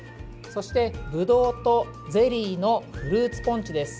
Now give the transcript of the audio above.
そして、ブドウとゼリーのフルーツポンチです。